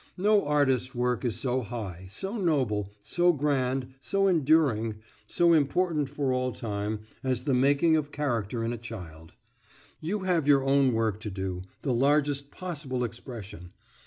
No artist work is so high, so noble, so grand, so enduring, so important for all time, as the making of character in a child, You have your own work to do, the largest possible expression.